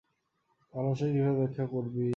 ভালবাসাকে কিভাবে ব্যাখ্যা করবি?